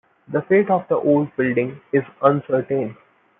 The fate of the old building is uncertain.